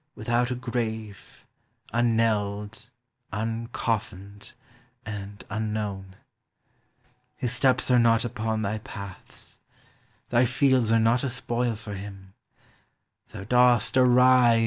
Without a grave, unknelled, uncofflned, and an known. His steps are not upon thy paths, thj fleldi Are not a spoil for him, thon dosl arise 376 POEMS OF NATURE.